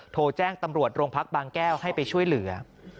โทรแจ้งตำรวจโรงพักบางแก้วให้ไปช่วยเหลือ